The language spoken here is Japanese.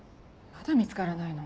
まだ見つからないの？